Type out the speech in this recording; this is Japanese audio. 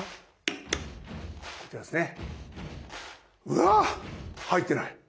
うわ入ってない！